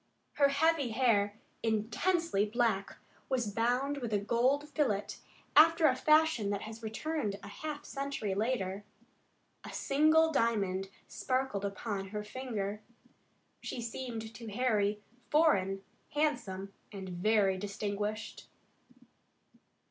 Her heavy hair, intensely black, was bound with a gold fillet, after a fashion that has returned a half century later. A single diamond sparkled upon her finger. She seemed to Harry foreign, handsome, and very distinguished.